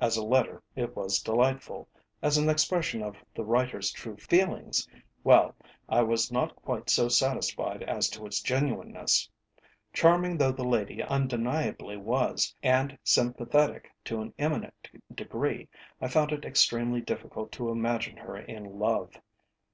As a letter it was delightful; as an expression of the writer's true feelings, well I was not quite so satisfied as to its genuineness. Charming though the lady undeniably was, and sympathetic to an eminent degree, I found it extremely difficult to imagine her in love.